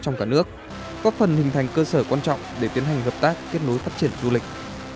trong cả nước có phần hình thành cơ sở quan trọng để tiến hành hợp tác kết nối phát triển du lịch